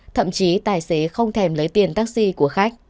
thậm chí tài xế không thèm lấy tiền taxi của khách